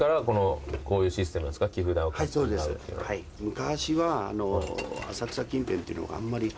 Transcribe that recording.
昔は浅草近辺というのがあんまり。